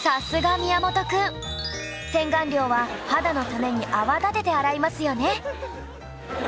洗顔料は肌のために泡立てて洗いますよね